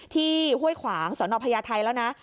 ห้วยขวางสนพญาไทยแล้วนะ